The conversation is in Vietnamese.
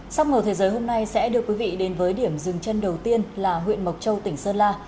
sắc màu thế giới hôm nay sẽ đưa quý vị đến với điểm dừng chân đầu tiên là huyện mộc châu tỉnh sơn la